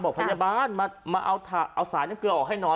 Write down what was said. พยาบาลมาเอาสายน้ำเกลือออกให้หน่อย